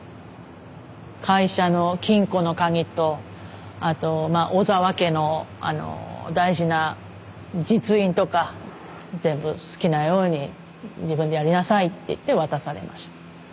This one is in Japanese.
会社の金庫の鍵とあと尾澤家の大事な実印とか「全部好きなように自分でやりなさい」って言って渡されました。